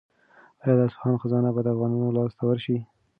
آیا د اصفهان خزانه به د افغانانو لاس ته ورشي؟